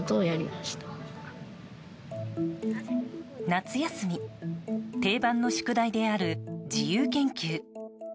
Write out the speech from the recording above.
夏休み定番の宿題である自由研究。